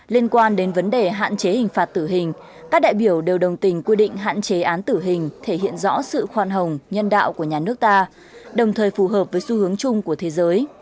liên quan đến vấn đề hạn chế hình phạt tử hình các đại biểu đều đồng tình quy định hạn chế án tử hình thể hiện rõ sự khoan hồng nhân đạo của nhà nước ta đồng thời phù hợp với xu hướng chung của thế giới